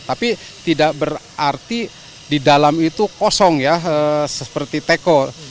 tapi tidak berarti di dalam itu kosong ya seperti teko